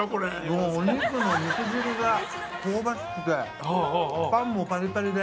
もうお肉の肉汁が香ばしくてパンもパリパリで。